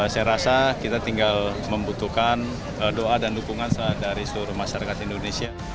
saya rasa kita tinggal membutuhkan doa dan dukungan dari seluruh masyarakat indonesia